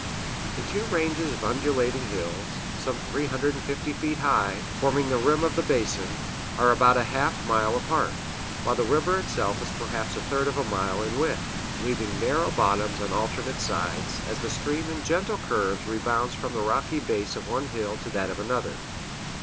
The two ranges of undulating hills, some three hundred and fifty feet high, forming the rim of the basin, are about a half mile apart; while the river itself is perhaps a third of a mile in width, leaving narrow bottoms on alternate sides, as the stream in gentle curves rebounds from the rocky base of one hill to that of another.